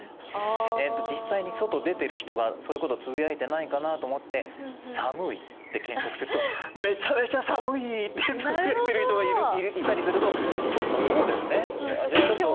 えっと実際に外出てる人がそういうことつぶやいてないかなと思って「寒い」って検索すると「めちゃめちゃ寒い！」ってつぶやいてる人がいたりするとそっかそうだよねじゃあちょっと。